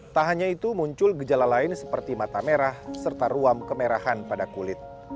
tak hanya itu muncul gejala lain seperti mata merah serta ruam kemerahan pada kulit